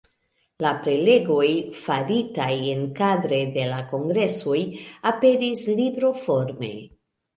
La prelegoj, faritaj enkadre de la kongresoj, aperis libroforme.